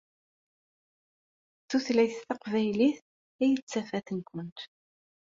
D tutlayt taqbaylit i d tafat-nkent.